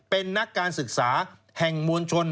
เป็นนักการศึกษาแห่งมวลชน